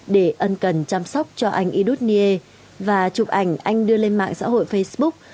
để ân cần chăm sóc cho anh idus nie và chụp ảnh anh đưa lên mạng xã hội facebook